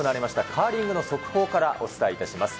カーリングの速報からお伝えいたします。